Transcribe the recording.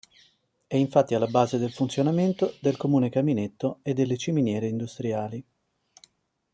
È infatti alla base del funzionamento del comune caminetto e delle ciminiere industriali.